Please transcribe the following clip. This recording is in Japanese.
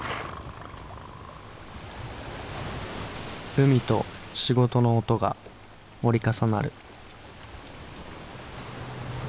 海と仕事の音が折り重なる。